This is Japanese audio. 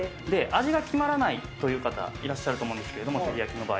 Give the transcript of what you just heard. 味が決まらないという方、いらっしゃると思うんですけれども、照り焼きの場合。